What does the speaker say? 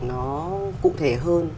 nó cụ thể hơn